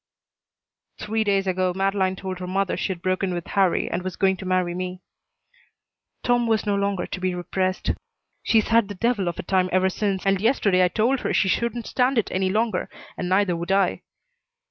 "Three days ago Madeleine told her mother she'd broken with Harrie and was going to marry me." Tom was no longer to be repressed. "She's had the devil of a time ever since, and yesterday I told her she shouldn't stand it any longer, and neither would I.